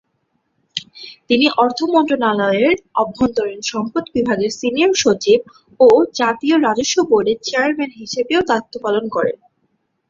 তিনি অর্থ মন্ত্রণালয়ের অভ্যন্তরীণ সম্পদ বিভাগের সিনিয়র সচিব ও জাতীয় রাজস্ব বোর্ডের চেয়ারম্যান হিসেবেও দায়িত্ব পালন করেন।